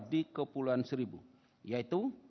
di kepulauan seribu yaitu